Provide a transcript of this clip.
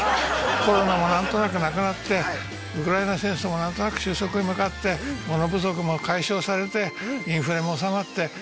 コロナも何となくなくなってウクライナ戦争も何となく終息へ向かって物不足も解消されてインフレも収まっていくことを期待したいですね。